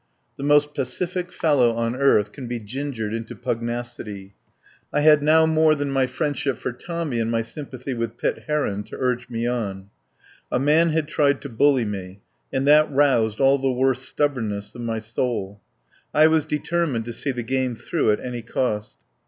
The most pacific fellow on earth can be gingered into pugnacity. I had now more than my friendship for Tommy and my sym pathy with Pitt Heron to urge me on. A man had tried to bully me, and that roused all the worst stubbornness of my soul. I was determined to see the game through at any cost.